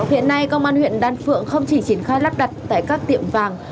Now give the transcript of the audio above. hiện nay công an huyện đan phượng không chỉ triển khai lắp đặt tại các tiệm vàng